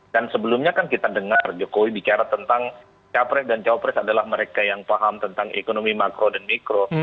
dan sebelumnya kan kita dengar jokowi bicara tentang capres dan capres adalah mereka yang paham tentang ekonomi makro dan mikro